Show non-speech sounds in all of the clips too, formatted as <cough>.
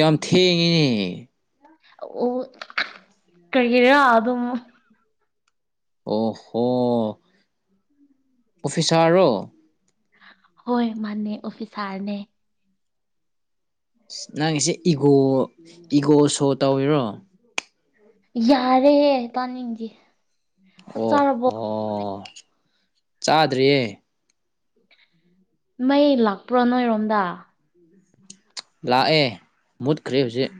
ꯌꯥꯝ ꯊꯦꯡꯉꯤ ꯑꯣ ꯀꯩꯒꯤꯔ ꯑꯗꯨꯝ ꯑꯣ ꯍꯣ ꯑꯣꯐꯤꯁꯥꯔꯔꯣ ꯍꯣꯏ ꯃꯥꯅꯦ ꯑꯣꯐꯤꯁꯥꯔꯅꯦ ꯅꯪꯒꯤꯁꯦ ꯏꯒꯣ ꯏꯒꯣ ꯁꯣ ꯇꯧꯔꯤꯔꯣ ꯌꯥꯔꯦꯍꯦ ꯇꯥꯅꯤꯡꯗꯤ ꯑꯣ ꯍꯣ ꯆꯥꯗ꯭ꯔꯤꯌꯦ ꯃꯩ ꯂꯥꯛꯄ꯭ꯔꯣ ꯅꯣꯏꯔꯣꯝꯗ <inaudible> ꯂꯥꯛꯑꯦ ꯃꯨꯠꯈ꯭ꯔꯦ ꯍꯧꯖꯤꯛ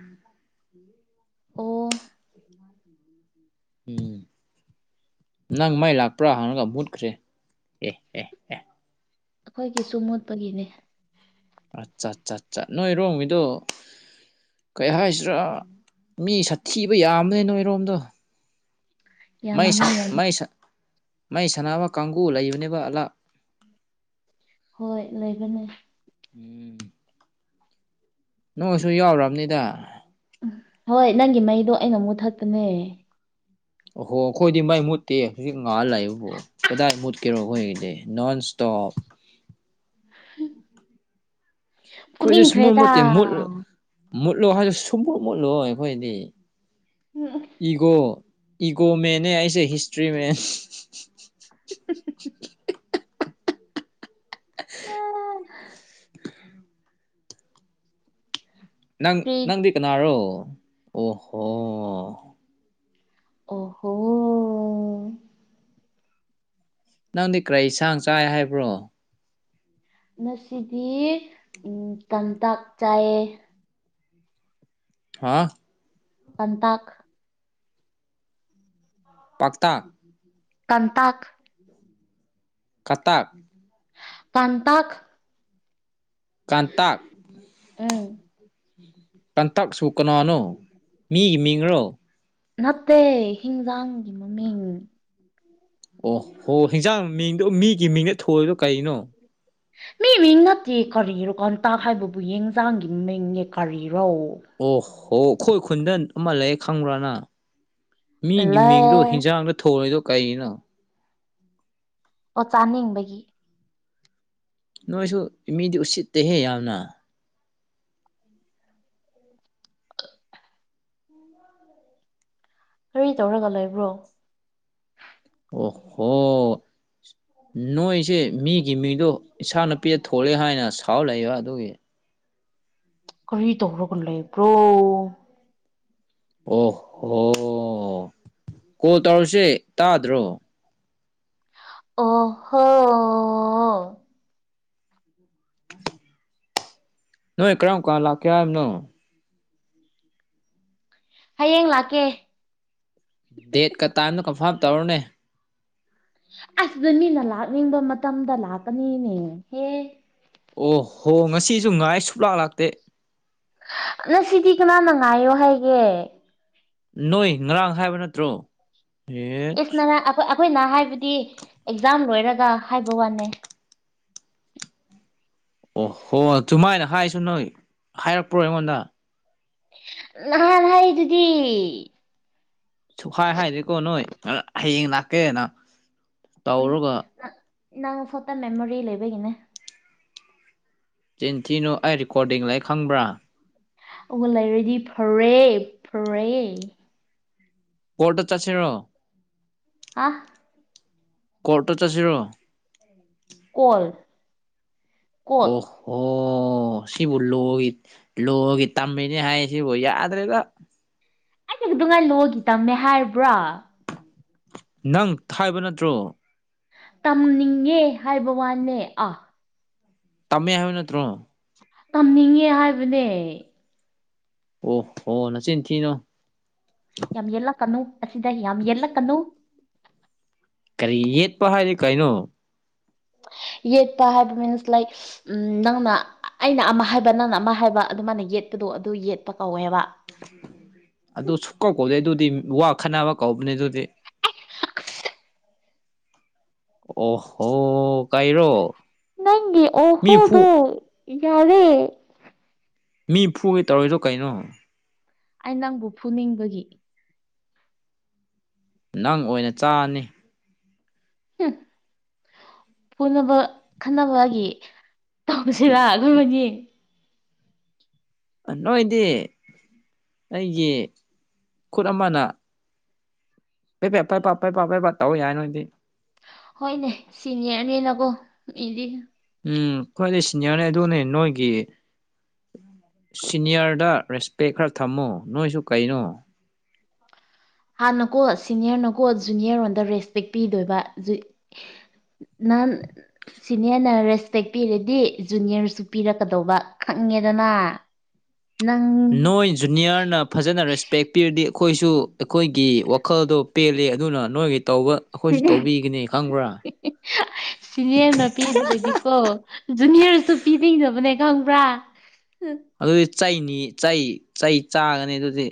ꯑꯣ <inaudible> ꯎꯝ ꯅꯪ ꯃꯩ ꯂꯥꯛꯄ꯭ꯔꯥ ꯍꯪꯉꯒ ꯃꯨꯠꯈ꯭ꯔꯦ ꯑꯦ ꯑꯦ ꯑꯩꯈꯣꯏꯒꯤꯁꯨ ꯃꯨꯠꯄꯒꯤꯅꯦ ꯑꯠꯆꯥ ꯆꯥ ꯆꯥ ꯅꯣꯏꯔꯣꯡꯒꯤꯗꯣ ꯀꯩ ꯍꯥꯏꯁꯤꯔꯥ ꯃꯤ ꯁꯥꯊꯤꯕ ꯌꯥꯝꯃꯤ ꯅꯣꯏꯔꯣꯝꯗꯣ ꯌꯥꯝꯕꯅꯦ ꯌꯥꯝ ꯩꯩ ꯃꯩ ꯁꯥꯟꯅꯕ ꯀꯥꯡꯒꯕꯨ ꯂꯩꯕꯅꯦꯕ ꯑꯂꯥ ꯍꯣꯏ ꯂꯩꯕꯅꯦ ꯎꯝ ꯅꯣꯡꯁꯨ ꯌꯥꯎꯔꯕꯅꯤꯗ ꯎꯝ ꯍꯣꯏ ꯅꯪꯒꯤ ꯃꯩꯗꯣ ꯑꯩꯅ ꯃꯨꯊꯠꯄꯅꯦ ꯑꯍꯣ ꯑꯩꯈꯣꯏꯗꯤ ꯃꯥꯏ ꯃꯨꯠꯇꯦ ꯍꯧꯖꯤꯛ ꯉꯥꯍꯜꯂꯥꯛꯏꯕꯕꯨꯣ ꯀꯗꯥ ꯃꯨꯠ ꯀꯔꯣ ꯑꯣꯏꯣꯏꯗ ꯅꯣ ꯁꯇꯣꯞ <inaudible> ꯀꯣꯏꯗꯤ ꯁꯨꯃꯨꯠ ꯐꯨꯅꯤꯡꯈ꯭ꯔꯦꯗ ꯃꯨꯠꯇꯦ ꯃꯨꯠ ꯃꯨꯠꯂꯣ ꯍꯥꯏꯁꯨ ꯁꯨꯝꯃꯨꯠ ꯃꯨꯠꯂꯣꯏ ꯑꯩꯈꯣꯏꯗꯤ ꯎꯝ ꯏꯒꯣ ꯏꯒꯣ ꯃꯦꯟꯅꯦ ꯑꯩꯁꯦ ꯍꯤꯁꯇ꯭ꯔꯤ ꯃꯦꯟ <inaudible> <inaudible> ꯅꯪ ꯀ꯭ꯔꯤ ꯅꯪꯗꯤ ꯀꯅꯥꯔꯣ ꯑꯣꯍꯣ ꯑꯣ ꯍꯣ ꯅꯪꯗꯤ ꯀꯔꯤꯁꯥꯡ ꯆꯥꯏ ꯍꯥꯏꯕ꯭ꯔꯣ ꯉꯁꯤꯗꯤ ꯎ ꯇꯇꯥꯛ ꯆꯥꯏꯌꯦ ꯍꯥꯥ ꯄꯟꯇꯥꯈ ꯄꯥꯛꯇꯥ ꯎꯝ ꯀꯇꯥꯥꯛ ꯀꯇꯛ ꯀꯥꯟꯇꯥꯛ ꯀꯇꯛ ꯎꯝ ꯇꯟꯇꯛꯁꯨ ꯀꯅꯥꯅꯣ ꯃꯤꯒꯤ ꯃꯤꯡꯔꯣ ꯅꯠꯇꯦ ꯍꯤꯡꯖꯥꯡꯒꯤ ꯃꯃꯤꯡ ꯑꯣ ꯍꯣ ꯍꯤꯟꯖꯥꯡ ꯃꯤꯡꯗꯣ ꯃꯤꯒꯤ ꯃꯤꯡꯗ ꯊꯣꯏꯗꯣ ꯀꯩꯅꯣ ꯃꯤ ꯃꯤꯡ ꯅꯠꯇꯦ ꯀꯔꯤꯔꯣ ꯀꯇꯥꯛ ꯍꯥꯏꯕꯕꯨ ꯌꯦꯟꯖꯥꯡꯒꯤ ꯃꯤꯡꯅꯦ ꯀꯔꯤꯔꯣ ꯑꯣ ꯍꯣ ꯑꯩꯈꯣꯏ ꯈꯨꯟꯗꯟ ꯑꯃ ꯂꯩꯌꯦ ꯈꯪꯕ꯭ꯔꯥꯅ ꯃꯤꯒꯤ ꯂꯦ ꯃꯤꯡꯗꯣ ꯍꯤꯟꯖꯥꯡꯗ ꯊꯣꯡꯉꯗꯣ ꯀꯔꯤꯒꯤꯅꯣ ꯑꯣ ꯆꯥꯅꯤꯡꯕꯒꯤ ꯅꯣꯏꯁꯨ ꯃꯤꯗꯤ ꯎꯠꯁꯤꯠꯇꯦꯍꯦ ꯌꯥꯝꯅ ꯎ ꯀꯔꯤ ꯇꯧꯔꯒ ꯂꯩꯕ꯭ꯔꯣ ꯑꯣꯍꯣ ꯅꯣꯏꯁꯦ ꯃꯤꯒꯤ ꯃꯤꯗꯣ ꯏꯥ ꯅꯨꯄꯤꯗ ꯊꯣꯛꯣꯂꯦ ꯍꯥꯏꯅ ꯁꯥꯎ ꯂꯩꯛꯏꯕ ꯑꯗꯨꯒꯤ ꯀꯔꯤ ꯇꯧꯔꯒꯅ ꯂꯩꯕ꯭ꯔꯣ ꯑꯣ ꯍꯣ ꯀꯣꯜ ꯇꯧꯔꯁꯦ ꯇꯥꯗ꯭ꯔꯣ ꯑꯣꯍꯣ ꯎ ꯅꯣꯏ ꯀꯔꯝ ꯀꯥꯟ ꯂꯥꯛꯀꯦ ꯍꯥꯏꯕꯅꯣ ꯍꯌꯦꯡ ꯂꯥꯛꯀꯦ ꯗꯦꯠꯀ ꯇꯥꯏꯝꯗꯣ ꯀꯟꯐꯥꯝ ꯇꯧꯔꯨꯅꯦ ꯑꯁꯤꯗ ꯃꯤꯅ ꯂꯥꯛꯅꯤꯡꯕ ꯃꯇꯝꯗ ꯂꯥꯛꯀꯅꯤꯅꯦꯍꯦ ꯑꯣ ꯍꯣ ꯉꯁꯤꯁꯨ ꯉꯥꯏ ꯁꯨꯞꯂꯥꯛ ꯂꯥꯛꯇꯦ ꯅ ꯁꯤꯗꯤ ꯀꯅꯥꯅ ꯉꯥꯏꯌꯣ ꯍꯥꯏꯒꯦ ꯅꯣꯏ ꯉꯔꯥꯡ ꯍꯥꯏꯕ ꯅꯠꯇ꯭ꯔꯣ ꯑꯦ ꯏꯁ ꯅ ꯑꯩꯈ ꯑꯩꯈꯣꯏꯅ ꯍꯥꯏꯕꯗꯤ ꯑꯦꯛꯖꯥꯝ ꯂꯣꯏꯔꯒ ꯍꯥꯏꯕ ꯋꯥꯅꯦ ꯑꯣ ꯍꯣ ꯑꯗꯨꯨꯃꯥꯏꯅ ꯍꯥꯏꯁꯨ ꯅꯣꯏ ꯍꯥꯏꯔꯛꯄ꯭ꯔꯣ ꯑꯩꯉꯣꯟꯗ ꯅꯍꯥꯟ ꯍꯥꯏ ꯑꯗꯨꯗꯤ ꯁꯨꯛꯈꯥꯏ ꯍꯥꯏꯔꯦꯀꯣ ꯅꯣꯏ ꯍꯌꯦꯡ ꯂꯥꯛꯀꯦꯅ ꯇꯧꯔꯒ ꯏꯅꯥꯪ ꯐꯣꯇ ꯃꯦꯃꯣꯔꯤ ꯂꯩꯕꯒꯤꯅꯦ ꯆꯤꯟꯊꯤꯅꯨ ꯑꯩ ꯔꯤꯀꯣꯔꯗꯤꯡ ꯂꯩ ꯈꯪꯕ꯭ꯔꯥ ꯑꯗꯨꯒ ꯂꯩꯔꯗꯤ ꯐꯔꯦ ꯐꯔꯦ ꯀꯣꯠꯇ ꯆꯥꯁꯤꯔꯣ ꯍꯥ ꯀꯣꯔꯠꯇ ꯆꯠꯁꯤꯔꯣ ꯀꯣꯜ ꯀꯣꯜ ꯑꯣꯐ ꯑꯣ ꯁꯤꯕꯨ ꯂꯣꯒꯤ ꯂꯣꯒꯤ ꯇꯝꯃꯤꯅꯤ ꯍꯥꯏ ꯁꯤꯕꯨ ꯌꯥꯗ꯭ꯔꯒ ꯍꯦꯛ ꯑꯗꯨꯉꯥꯏ ꯂꯣꯒꯤ ꯇꯝꯃꯦ ꯍꯥꯏꯔꯕ꯭ꯔꯥ ꯅꯪ ꯊꯥꯏꯕ ꯅꯠꯇ꯭ꯔꯣ ꯇꯝꯅꯤꯡꯉꯦ ꯍꯥꯏꯕ ꯋꯥꯅꯦ ꯑꯥ ꯇꯝꯃꯦ ꯍꯥꯏꯕ ꯅꯠꯇ꯭ꯔꯣ ꯇꯝꯅꯤꯡꯉꯦ ꯍꯥꯏꯕꯅꯦ ꯑꯣ ꯍꯣ ꯅꯆꯤꯟ ꯊꯤꯅꯣ ꯌꯥꯝ ꯌꯦꯂ ꯀꯟꯅꯨ ꯑꯁꯤꯗ ꯌꯥꯝ ꯌꯦꯂꯛ ꯀꯟꯅꯨ ꯀꯔꯤ ꯌꯦꯠꯄ ꯍꯥꯏꯔꯤ ꯀꯩꯅꯣ ꯌꯦ ꯇ ꯍꯥꯏꯕ ꯃꯤꯟꯁ ꯂꯥꯏꯛ ꯅꯪꯅ ꯑꯩꯅ ꯑꯃ ꯍꯥꯏꯕ ꯅꯪꯅ ꯑꯃ ꯍꯥꯏꯕ ꯑꯗꯨꯃꯥꯏꯅ ꯌꯦꯠꯄꯗꯣ ꯑꯗꯨ ꯌꯦꯠꯄ ꯀꯧꯋꯦꯕ ꯑꯗꯨ ꯁꯨꯛ ꯀꯧ ꯀꯧꯗꯦ ꯑꯗꯨꯗꯤ ꯋꯥ ꯈꯠꯅꯕ ꯀꯧꯕꯅꯦ ꯑꯗꯨꯗꯤ ꯑꯣ ꯍꯣ ꯀꯩꯔꯣ ꯅꯪꯒꯤ ꯑꯣ ꯃꯤ ꯐꯨ ꯍꯣꯗꯨ ꯌꯥꯔꯦ ꯃꯤ ꯐꯨꯒꯤ ꯇꯧꯔꯏꯗꯣ ꯀꯩꯅꯣ ꯑꯩ ꯅꯪꯕꯨ ꯐꯨꯅꯤꯡꯕꯒꯤ ꯅꯪ ꯑꯣꯏꯅ ꯆꯥꯅꯤ ꯎꯝ ꯄꯨꯅꯕ ꯈꯟꯅꯕꯒꯤ ꯇꯧꯕꯁꯤꯔ ꯑꯩꯈꯣꯏ ꯃ ꯌꯦꯡ ꯅꯣꯏꯗꯤ ꯑꯩꯒꯤ ꯈꯨꯠ ꯑꯃꯅ ꯄ ꯄꯦꯄ ꯄꯄꯩ ꯄꯥꯄꯩ ꯄ ꯇꯧꯏ ꯌꯥꯏ ꯅꯣꯏꯗꯤ ꯍꯣꯏꯅꯦ ꯁꯤꯅꯦꯔꯅꯦꯅꯀꯣ ꯏꯗꯤ ꯎꯝ ꯈ꯭ꯋꯥꯏꯗꯒꯤꯩ ꯁꯤꯅꯤꯌꯥꯔꯅꯦ ꯑꯗꯨꯅꯦ ꯅꯣꯏꯒꯤ ꯁꯤꯅꯤꯌꯔꯗ ꯔꯦꯁꯄꯦꯛ ꯈꯔ ꯊꯝꯃꯨ ꯅꯣꯏꯁꯨ ꯀꯩꯅꯣ ꯍꯥꯟꯅꯀꯣ ꯁꯤꯅꯤꯌꯔꯅꯀꯣ ꯖꯨꯅꯤꯌꯔ ꯂꯣꯟꯗ ꯔꯦꯁꯄꯦꯛ ꯄꯤꯗꯣꯏꯕ ꯅꯥꯟ ꯁꯤꯅꯤꯌꯔꯅ ꯔꯦꯁꯄꯦꯛ ꯄꯤꯔꯗꯤ ꯖꯨꯅꯤꯌꯔꯁꯨ ꯄꯤꯔꯛꯀꯗꯧꯕ ꯈꯪꯉꯦꯗꯅ ꯅꯪ ꯅꯣꯏ ꯖꯨꯅꯤꯌꯔꯅ ꯐꯖꯅ ꯔꯦꯁꯄꯦꯛ ꯄꯤꯔꯗꯤ ꯑꯩꯈꯣꯏꯁꯨ ꯑꯩꯈꯣꯏꯒꯤ ꯋꯥꯈꯜꯗꯣ ꯄꯦꯜꯜꯂꯤ ꯑꯗꯨꯅ ꯅꯣꯏꯒꯤ ꯇꯧꯕ ꯑꯩꯈꯣꯏꯁꯨ ꯇꯧꯕꯤꯒꯅꯤ ꯈꯪꯕ꯭ꯔꯥ ꯁꯤꯅꯦꯅꯄꯤꯤꯗ꯭ꯔꯗꯤ ꯀꯣ ꯖꯨꯅꯤꯌꯔꯁꯨ ꯄꯤꯅꯤꯡꯗꯕꯅꯦ ꯈꯪꯕ꯭ꯔꯥ ꯑꯗꯨꯗꯤ ꯆꯩꯅꯤ ꯆꯩ ꯆꯩ ꯆꯥꯒꯅꯤ ꯑꯗꯨꯗꯤ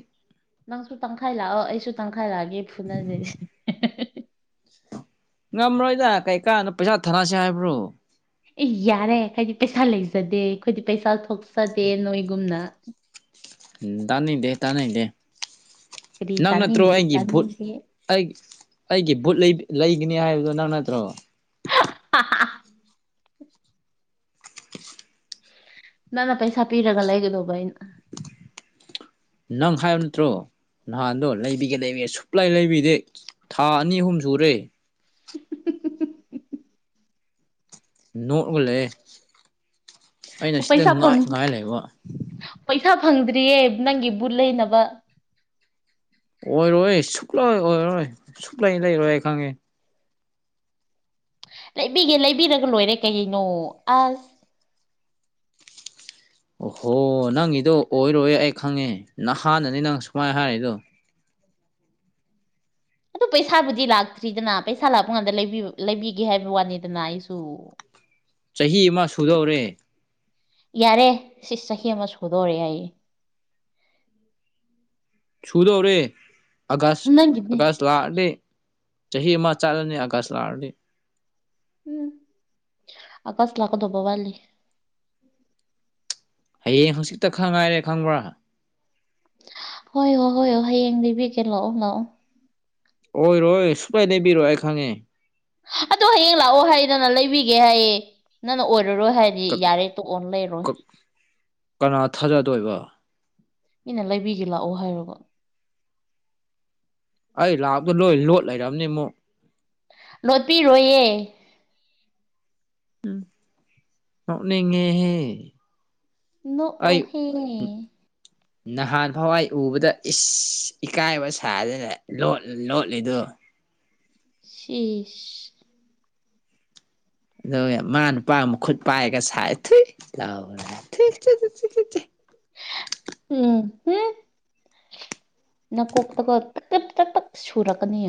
ꯅꯪꯁꯨ ꯇꯪꯈꯥꯏ ꯂꯥꯛꯑꯣ ꯑꯩꯁꯨ ꯇꯪꯈꯥꯏ ꯂꯥꯛꯑꯒꯦ ꯐꯨꯅꯖꯩꯁꯦ ꯉꯝꯔꯣꯏꯗ ꯀꯩꯀꯥꯟꯅꯣ ꯄꯩꯁꯥ ꯊꯥꯅꯔꯁꯤꯦ ꯍꯥꯏꯕ꯭ꯔꯣ ꯑꯦ ꯌꯥꯔꯦ ꯍꯥꯏꯗꯤ ꯄꯩꯁꯥ ꯂꯩꯖꯗꯦ ꯑꯩꯣꯏꯗꯤ ꯄꯩꯁꯥ ꯊꯣꯛꯆꯗꯦ ꯅꯣꯏꯒꯨꯝꯅ ꯎꯝ ꯇꯥꯅꯩꯗꯦ ꯇꯥꯅꯩꯗꯦ ꯀꯔꯤ ꯅꯪ ꯅꯠꯇ꯭ꯔꯣ ꯇꯥꯅꯤꯡꯗꯦ ꯑꯩꯒꯤ ꯚꯨꯠ ꯇꯥꯅꯤꯡꯗꯦ ꯑꯩ ꯑꯩꯒꯤ ꯕꯨꯠ ꯂꯩꯒꯅꯤ ꯍꯥꯏꯕꯗꯣ ꯅꯪ ꯅꯠꯇ꯭ꯔꯣ ꯍꯥꯍꯥ ꯅꯪ ꯅ ꯄꯩꯁꯥ ꯄꯤꯔꯒ ꯂꯩꯒꯗꯧꯕ ꯑꯩꯅ <inaudible> ꯅꯪ ꯍꯥꯏꯕ ꯅꯠꯇ꯭ꯔꯣ ꯅꯍꯥꯟꯗꯣ ꯂꯩꯕꯤꯒꯦ ꯂꯩꯕꯤꯒꯦ ꯁꯨꯛꯂꯥꯏ ꯂꯩꯕꯤꯗꯦ ꯊꯥ ꯑꯅꯤ ꯑꯍꯨꯝ ꯁꯨꯔꯦ ꯅꯣꯛꯑꯒ ꯂꯩꯌꯦ ꯄꯩꯁꯥ ꯐꯪ ꯉꯥꯏ ꯂꯩꯕ ꯄꯩꯁꯥ ꯐꯪꯗ꯭ꯔꯤꯌꯦ ꯅꯪꯒꯤ ꯕꯨꯠ ꯂꯩꯅꯕ ꯑꯣꯏꯔꯣꯏ ꯁꯨꯛꯂꯣꯏ ꯑꯣꯏꯔꯣꯏ ꯁꯨꯛꯂꯩ ꯂꯩꯔꯣꯏ ꯑꯪ ꯈꯪꯉꯦ ꯂꯩꯕꯤꯒꯦ ꯂꯩꯕꯤꯔꯒ ꯂꯣꯏꯔꯦ ꯀꯩꯩꯅꯣ ꯑꯁ ꯑꯣꯍꯣ ꯅꯪꯒꯤꯗꯣ ꯑꯣꯏꯔꯣꯏ ꯑꯩ ꯈꯪꯉꯦ ꯅꯍꯥꯟꯅꯅꯤ ꯅꯪ ꯁꯨꯃꯥꯏꯅ ꯍꯥꯏꯔꯛꯗꯣ ꯑꯗꯨ ꯄꯩꯁꯥꯕꯨꯗꯤ ꯂꯥꯛꯇ꯭ꯔꯤꯗꯅ ꯄꯩꯁꯥ ꯂꯥꯛꯄ ꯀꯥꯟꯗ ꯂꯩꯕꯤꯒꯦ ꯍꯥꯏꯕ ꯋꯥꯅꯤꯗꯅ ꯑꯩꯁꯨ ꯆꯍꯤ ꯑꯃ ꯁꯨꯗꯧꯔꯦ ꯌꯥꯔꯦ ꯁꯤ ꯆꯍꯤ ꯑꯃ ꯁꯨꯗꯣꯔꯑꯦ ꯑꯩ ꯁꯨꯗꯧꯔꯦ ꯑꯥꯒꯁ ꯅꯪꯒꯤꯗꯤ ꯑꯥꯒꯁ ꯂꯥꯛꯑꯅꯦ ꯆꯍꯤ ꯑꯃ ꯆꯠꯂꯅꯤ ꯑꯥꯒꯁ ꯂꯥꯛꯑꯗꯤ ꯎꯝ ꯑꯀꯥꯁ ꯂꯥꯛꯀꯗ ꯍꯕꯕꯜꯂꯤ ꯍꯌꯦꯡ ꯍꯪꯆꯤꯛꯇ ꯈꯪ ꯉꯥꯏꯔꯦ ꯈꯪꯕ꯭ꯔꯥ ꯍꯣꯏ ꯍꯣꯏ ꯍꯣꯏ ꯍꯣꯏ ꯍꯌꯦꯡ ꯂꯤꯕꯤꯒꯦ ꯂꯥꯛꯑꯣ ꯂꯥꯛꯑꯣ ꯑꯣꯏꯔꯣꯏ ꯁꯨꯄꯥꯏ ꯂꯩꯕꯤꯔꯣ ꯑꯩ ꯈꯪꯉꯦ ꯑꯗꯣ ꯍꯌꯦꯡ ꯂꯥꯛꯑꯣ ꯍꯥꯏꯗꯅ ꯂꯩꯕꯤꯒꯦ ꯍꯥꯏꯌꯦꯦ ꯅꯪꯅ ꯑꯣꯏꯔꯔꯣꯏ ꯍꯥꯏꯅ ꯀꯛ ꯀꯛ ꯀꯅꯥ ꯊꯥꯖꯗꯣꯏꯕ ꯃꯤꯅ ꯂꯩꯕꯤꯒꯦ ꯂꯥꯛꯑꯣ ꯍꯥꯏꯔꯕ ꯑꯩ ꯂꯥꯛꯕꯗꯣ ꯂꯣꯏ ꯂꯣꯠ ꯂꯩꯔꯝꯅꯤ ꯑꯃꯨꯛ ꯂꯣꯠꯄꯤꯔꯣꯏꯌꯦ ꯎꯝ ꯅꯣꯛꯅꯤꯡꯉꯦꯍꯦ ꯑꯩ ꯅꯣꯛꯑꯣ ꯍꯦ <inaudible> ꯅꯍꯥꯟ ꯐꯋꯥꯏ ꯎꯕꯗ ꯏꯁ ꯏꯀꯥꯏꯕ ꯁꯥꯗꯅ ꯂꯣꯠꯂ ꯂꯣꯠꯂꯤꯗꯨ ꯁꯤꯏꯁ ꯑꯗꯨꯒ ꯃꯥ ꯅꯨꯄꯥ ꯃꯈꯠ ꯄꯥꯏꯔꯒ ꯁꯥꯏ ꯊꯨꯏ ꯂ ꯎꯝ ꯍꯝ ꯅꯀꯣꯛ ꯇꯣ ꯇꯀꯠ ꯇꯦꯠ ꯇ ꯁꯨꯔꯜꯀꯅꯤ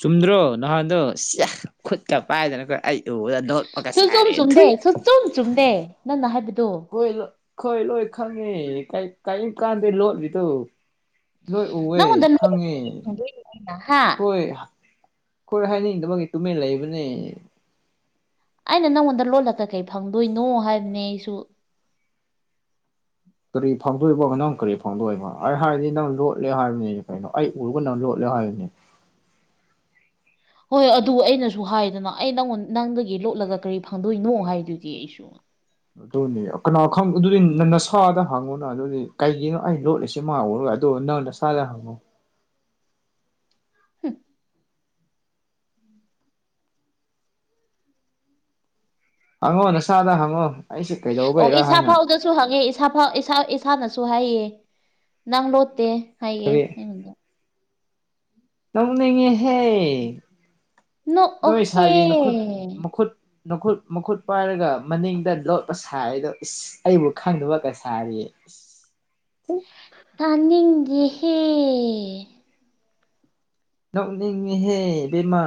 ꯆꯨꯝꯗ꯭ꯔꯣ ꯅꯍꯥꯟꯗꯣ ꯁꯤꯌꯦ ꯈꯨꯠꯀ ꯄꯥꯏꯗꯅꯀꯣꯏ ꯑꯩ ꯎꯕꯗ ꯂꯣꯠꯄꯀ ꯁꯨꯆꯨꯝ ꯁꯥꯔꯦ ꯆꯨꯝꯗꯦ ꯊꯨꯏ ꯁꯨꯆꯨꯝ ꯆꯨꯝꯗꯦ ꯅꯪꯅ ꯍꯥꯏꯕꯗꯣ ꯈꯣꯏ ꯂꯣꯏ ꯈꯪꯉꯦ ꯀꯔꯤꯝ ꯀꯥꯟꯗꯦ ꯂꯣꯠꯂꯤꯗꯣ ꯂꯣꯏ ꯎꯋꯦ ꯅꯉꯣꯟꯗ <unintelligible> ꯍꯥ ꯍꯣꯏ ꯈꯣꯏ ꯍꯥꯏꯅꯤꯡꯗꯕꯒꯤ ꯇꯨꯃꯤꯟꯅ ꯂꯩꯕꯅꯦ ꯑꯩꯅ ꯅꯪꯉꯣꯟꯗ ꯂꯣꯠꯂꯒ ꯀꯩ ꯐꯪꯗꯣꯏꯅꯣ ꯍꯥꯏꯕꯅꯦ ꯑꯩꯁꯨ ꯀꯔꯤ ꯐꯪꯗꯣꯏꯕꯣ ꯅꯪ ꯀꯔꯤ ꯐꯪꯗꯣꯏꯕꯣ ꯑꯩ ꯍꯥꯏꯔꯗꯤ ꯅꯪ ꯂꯣꯠꯂꯦ ꯍꯥꯏꯕꯅꯤꯅꯦ ꯀꯩꯅꯣ ꯑꯩ ꯎꯔꯒ ꯅꯪ ꯂꯣꯠꯂꯦ ꯍꯥꯏꯕꯅꯤ ꯍꯣꯏ ꯑꯗꯨ ꯑꯩꯅꯁꯨ ꯍꯥꯏꯗꯅ ꯑꯩ ꯅꯪꯉꯣꯟ ꯅꯪꯗꯒꯤ ꯂꯣꯠꯂꯒ ꯀꯔꯤ ꯐꯪꯗꯣꯏꯅꯣ ꯍꯥꯏꯗꯨꯗꯤ ꯑꯩꯁꯨ ꯑꯗꯨꯅꯤ ꯀꯅꯥꯣ ꯈꯪ ꯑꯗꯨꯗꯤ ꯅ ꯅꯁꯥꯗ ꯍꯪꯉꯨꯅ ꯑꯗꯨꯗꯤ ꯀꯩꯒꯤꯅꯣ ꯑꯩ ꯂꯣꯠꯂꯤꯁꯤ ꯃꯥ ꯎꯔꯒ ꯑꯗꯣ ꯅꯪꯅ ꯅꯁꯥꯥꯗ ꯍꯪꯉꯣ ꯍꯝ ꯍꯪꯉꯣ ꯅꯁꯥꯥꯗ ꯍꯪꯉꯣ ꯑꯩꯁꯦ ꯑꯣ ꯀꯩꯗꯧꯕꯩꯔꯥ ꯏꯁꯥꯥ ꯍꯥꯏꯅ ꯐꯥꯎꯗ ꯁꯨ ꯍꯪꯉꯦ ꯏꯁꯥ ꯐꯥꯎ ꯏꯁꯥ ꯏꯁꯥꯅꯁꯨ ꯍꯥꯏꯌꯦ ꯅꯪ ꯂꯣꯠꯇꯦ ꯍꯥꯏꯌꯦ ꯀꯔꯤ ꯑꯩꯉꯣꯟꯗꯣ ꯅꯣꯛꯅꯤꯡꯉꯦꯍꯦ ꯅꯣꯏ ꯅꯣꯛꯑꯣꯍꯦ ꯁꯥꯏꯒꯤ ꯅꯈꯨꯠ ꯃꯈꯨꯠ ꯃꯈꯨꯠ ꯃꯈꯨꯠ ꯄꯥꯏꯔꯒ ꯃꯅꯤꯡꯗ ꯂꯣꯠꯄ ꯁꯥꯔꯤꯗꯣ ꯏꯁ ꯑꯩꯕꯨ ꯈꯪꯗꯕꯒ ꯁꯥꯔꯤꯌꯦ ꯇꯅꯤꯡꯗꯦꯍꯦ ꯅꯣꯛꯅꯤꯡꯉꯦꯍꯦ ꯕꯦꯝꯃꯥ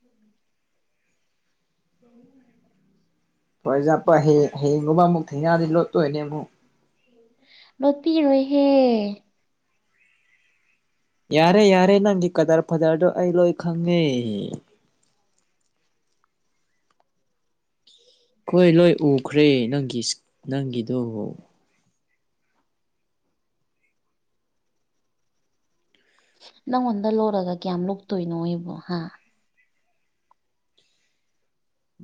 ꯎꯝ <inaudible> ꯎꯝ ꯋꯥꯏꯖꯠꯄ ꯍꯌꯦꯡ ꯍꯌꯦꯡꯒꯨꯝꯕ ꯑꯃꯨꯛ ꯊꯦꯡꯅꯔꯗꯤ ꯂꯣꯠꯇꯣꯏꯅꯦ ꯑꯃꯨꯛ <inaudible> ꯂꯣꯠꯄꯤꯔꯣꯏꯍꯦ ꯌꯥꯔꯦ ꯌꯥꯔꯦ ꯅꯪꯒꯤ ꯀꯗ꯭ꯔ ꯐꯗ꯭ꯔꯗꯣ ꯑꯩ ꯂꯣꯏ ꯈꯪꯉꯦ ꯑꯈꯣꯏ ꯂꯣꯏ ꯎꯈ꯭ꯔꯦ ꯅꯪꯒꯤ ꯅꯪꯒꯤꯗꯣ ꯅꯪꯉꯣꯟꯗ ꯂꯣꯔꯒ ꯀꯌꯥꯝ ꯂꯣꯛꯇꯣꯏꯅꯣ ꯑꯩꯕꯣ ꯍꯥ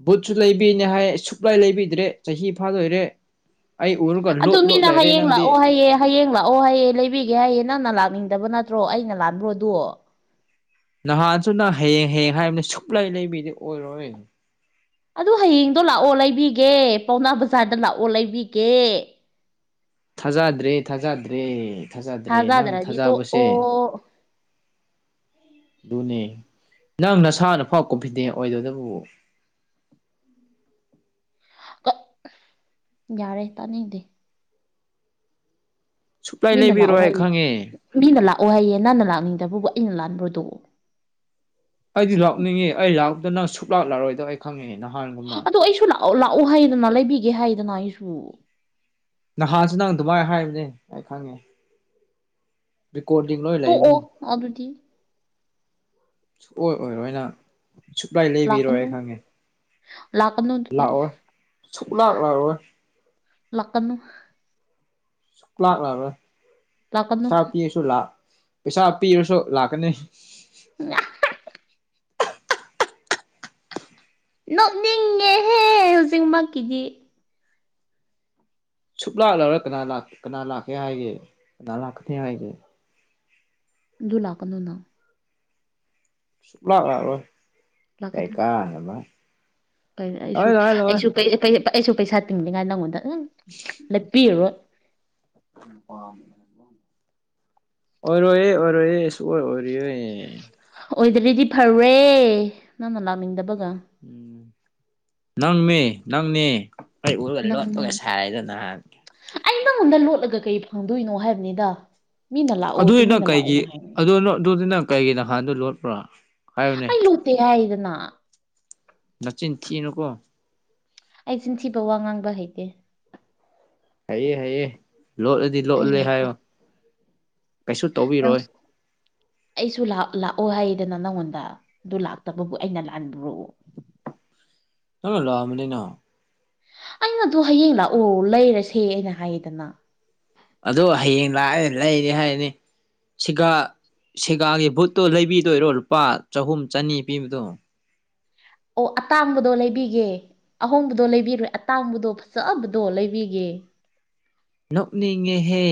ꯕꯨꯠꯁꯨ ꯂꯩꯕꯤꯅꯦ ꯍꯥꯏ ꯁꯨꯛꯂꯩ ꯂꯩꯕꯤꯗ꯭ꯔꯦ ꯆꯍꯤ ꯐꯥꯗꯣꯏꯔꯦ ꯑꯩ ꯎꯔꯒ ꯂꯣꯠ ꯑꯗꯨ ꯂꯣꯠ ꯃꯤꯅ ꯂꯩꯔꯦ ꯅꯪꯗꯤ ꯍꯥꯏꯌꯦ ꯍꯌꯦꯡ ꯂꯥꯛꯑꯣ ꯍꯌꯦꯡ ꯂꯩꯕꯤꯒꯦ ꯍꯥꯏꯌꯦ ꯅꯪꯅ ꯂꯥꯛꯅꯤꯡꯗꯕ ꯅꯠꯇ꯭ꯔꯣ ꯑꯩꯅ ꯂꯥꯟꯕ꯭ꯔꯣ ꯑꯗꯣ ꯅꯍꯥꯟꯁꯨ ꯅ ꯍꯌꯦꯡ ꯍꯌꯦꯡ ꯍꯥꯏꯕꯅꯤ ꯁꯨꯛꯂꯩ ꯂꯩꯕꯤꯗꯤ ꯑꯣꯏꯔꯣꯏ ꯑꯗꯨ ꯍꯌꯦꯡꯗꯣ ꯂꯥꯛꯑꯣ ꯂꯩꯕꯤꯒꯦ ꯄꯥꯎꯅꯥ ꯕꯖꯥꯔꯗ ꯂꯥꯛꯑꯣ ꯂꯩꯕꯤꯒꯦ ꯊꯥꯖꯗ꯭ꯔꯦ ꯊꯥꯖꯗ꯭ꯔꯦ ꯊꯥꯖꯗ꯭ꯔꯦ ꯅꯪ ꯊꯥꯖꯗ꯭ꯔꯗꯤ ꯊꯥꯖꯕꯁꯦ ꯇꯣꯛꯑꯣ ꯗꯨꯅꯦ ꯅꯪ ꯅꯁꯥꯅ ꯐꯥꯎ ꯀꯣꯐꯤꯗꯦꯟ ꯑꯣꯏꯗꯣꯏꯇꯕꯨ ꯌꯥꯔꯦ ꯇꯅꯤꯡꯗꯦ ꯁꯨꯛꯂꯩ ꯃꯤꯅ ꯂꯥꯛꯑꯣ ꯂꯩꯕꯤꯔꯣꯏ ꯍꯥꯏꯌꯦ ꯈꯪꯉꯦ ꯃꯤꯅ ꯂꯥꯛꯑꯣ ꯍꯥꯏꯌꯦ ꯅꯪꯅ ꯂꯥꯛꯅꯤꯡꯗꯕꯕꯨ ꯑꯩꯅ ꯂꯥꯟꯕ꯭ꯔꯣ ꯑꯗꯨ ꯑꯩꯗꯤ ꯂꯥꯛꯅꯤꯡꯉꯦ ꯑꯩ ꯂꯥꯛꯇꯅꯪ ꯁꯨꯛ ꯂꯥꯛꯂꯔꯣꯏꯗꯕ ꯑꯩ ꯈꯪꯉꯤꯉꯦ ꯅꯍꯥꯟ ꯑꯗꯣ ꯑꯩꯁꯨ ꯂꯥꯛꯑꯣ ꯂꯥꯛꯑꯣ ꯍꯥꯏꯗꯅ ꯂꯩꯕꯤꯒꯦ ꯍꯥꯏꯗꯅ ꯑꯩꯁꯨ ꯅꯍꯥꯟꯁꯨ ꯅꯪ ꯗꯨꯃꯥꯏ ꯍꯥꯏꯕꯅꯦ ꯑꯩ ꯈꯪꯉꯦ ꯔꯦꯀꯣꯔꯗꯤꯡ ꯂꯣꯏ ꯇꯣꯛꯑꯣ ꯂꯩꯥꯕꯅꯤ ꯑꯗꯨꯗꯤ ꯁꯨꯛꯑꯣꯏ ꯑꯣꯏꯔꯣꯏ ꯅꯪ ꯁꯨꯛꯂꯥꯏ ꯂꯩꯕꯤꯔꯣꯏ ꯑꯩ ꯂꯥꯛꯀꯅꯨ ꯈꯪꯉꯦ ꯂꯥꯛꯀꯅꯨ ꯑꯗꯨꯗꯤ ꯂꯥꯛꯑꯣꯏ ꯁꯨꯛꯂꯥꯛ ꯂꯥꯛꯔꯣꯏ ꯂꯥꯛꯀꯅꯨ ꯁꯨꯛꯂꯥꯛꯂꯔꯣꯏ ꯂꯥꯛꯀꯅꯨ ꯄꯩꯁꯥ ꯄꯤꯔꯁꯨ ꯂꯥꯛ ꯄꯤꯁꯥ ꯄꯤꯔꯁꯨ ꯂꯥꯛꯀꯅꯤ ꯎ <unintelligible> ꯅꯣꯛꯅꯤꯡꯉꯦꯍꯦ ꯍꯧꯖꯤꯛꯃꯛꯀꯤꯗꯤ ꯁꯨꯛꯂꯥꯛ ꯂꯥꯛꯔ ꯀꯅꯥ ꯂꯥꯛ ꯀꯅꯥ ꯂꯥꯛꯀꯅꯤ ꯍꯥꯏꯒꯦ ꯀꯅꯥ ꯂꯥꯛꯀꯅꯤ ꯍꯥꯏ ꯑꯗꯨ ꯂꯥꯛꯀꯅꯣꯅ ꯁꯨꯡꯂꯥꯛ ꯂꯥꯛꯔꯣꯏ ꯀꯩ ꯀꯥꯟꯅꯕ ꯀꯩꯅꯣ ꯑꯩꯁꯨ ꯂꯥꯛꯑꯣꯏ ꯂꯥꯛꯑꯣꯏ ꯂꯥꯛꯑꯣꯏ ꯑꯩꯁꯨ ꯀꯩ ꯀꯩꯅꯣ ꯑꯩꯁꯨ ꯄꯩꯁꯥ ꯇꯤꯡꯗꯉꯥꯏ ꯅꯪꯉꯣꯟꯗ ꯎꯝ ꯎꯝ <inaudible> ꯂꯦꯞꯄꯤꯔꯔꯣꯏ ꯑꯣꯏꯔꯣꯏꯋꯦ ꯑꯣꯏꯔꯣꯏꯋꯦ ꯁꯨꯛꯑꯣꯏ ꯑꯣꯏꯔꯣꯏꯋꯦ ꯑꯣꯏꯗꯗꯗꯤ ꯐꯔꯦ ꯅꯪꯅ ꯂꯥꯛꯅꯤꯡꯗꯕꯒ ꯅꯪꯃꯦ ꯅꯪꯅꯦ ꯑꯩ ꯎꯔꯒ ꯂꯣꯠꯄꯒ ꯅꯪꯅꯦ ꯁꯥꯥꯏꯔꯗꯅ ꯑꯩ ꯅꯪꯉꯣꯟꯗ ꯂꯣꯠꯂꯒ ꯀꯩ ꯐꯪꯗꯣꯏꯅꯣ ꯍꯥꯏꯕꯅꯤꯗ ꯃꯤꯅ ꯑꯗꯨ ꯂꯥꯛꯑꯣ ꯑꯣꯏꯒ ꯇꯨꯃꯤꯟꯅ ꯀꯩꯒꯤ ꯂꯥꯛꯑꯣ ꯍꯥꯏꯕꯅꯤ ꯑꯗꯨ ꯂꯣꯠ ꯑꯗꯨꯗꯤ ꯀꯩꯒꯤ ꯅꯍꯥꯟꯗꯣ ꯂꯣꯠꯄ꯭ꯔꯥ ꯍꯥꯏꯌꯨꯅꯦ ꯑꯩ ꯍꯥꯏꯔꯤꯗꯅ ꯅꯆꯤꯟ ꯊꯤꯅꯨꯀꯣ ꯑꯩ ꯆꯤꯟ ꯊꯤꯕ ꯋꯥ ꯉꯥꯡꯕ ꯍꯩꯇꯦ ꯍꯩꯑꯦ ꯍꯩꯑꯦ ꯂꯣꯠꯂꯗꯤ ꯑꯩ ꯂꯣꯠꯂꯦ ꯍꯩꯇꯦ ꯍꯥꯏꯌꯣ ꯀꯩꯁꯨ ꯅꯪ ꯇꯧꯕꯤꯔꯣꯏ ꯑꯩꯁꯨ ꯂꯥꯛ ꯂꯥꯛꯑꯣ ꯍꯥꯏꯔꯤꯗꯅ ꯅꯪꯉꯣꯟꯗ ꯑꯗꯨ ꯂꯥꯛꯇꯕꯕꯨ ꯑꯩꯅ ꯂꯥꯟꯕ꯭ꯔꯣ ꯅꯪꯅ ꯂꯥꯟꯕꯅꯤꯅ ꯑꯩꯅ ꯑꯗꯣ ꯍꯌꯦꯡ ꯂꯥꯛꯑꯣ ꯂꯩꯔꯁꯦ ꯑꯩꯅ ꯍꯥꯏꯌꯦꯗꯅ ꯑꯗꯣ ꯍꯌꯦꯡ ꯂꯥꯛꯑꯒ ꯂꯩꯔꯦ ꯍꯥꯏꯅꯤ ꯁꯤꯒꯥ ꯁꯤꯒꯥꯒꯤ ꯕꯨꯠꯇꯣ ꯂꯩꯕꯤꯗꯣꯏꯔꯣ ꯂꯨꯄꯥ ꯆꯍꯨꯝ ꯆꯅꯤ ꯄꯤꯕꯗꯣ ꯑꯣ ꯑꯇꯥꯡꯕꯗꯣ ꯂꯩꯕꯤꯒꯦ ꯑꯍꯣꯡꯕꯗꯣ ꯂꯩꯕꯤꯔꯣꯏ ꯑꯇꯥꯡꯕꯗꯣ ꯐꯖꯕꯗꯣ ꯂꯩꯕꯤꯒꯦ ꯅꯣꯛꯅꯤꯡꯉꯦꯍꯦ